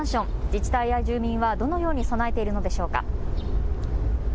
自治体や住民はどのように備えているのでしょうか。